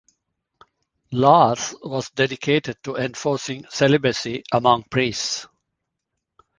Lars was dedicated to enforcing celibacy among priests.